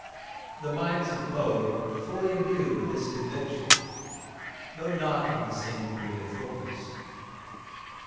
The minds of both were fully imbued with this conviction, though not in the same degree of fulness.